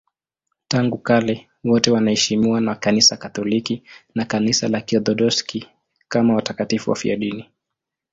Tangu kale wote wanaheshimiwa na Kanisa Katoliki na Kanisa la Kiorthodoksi kama watakatifu wafiadini.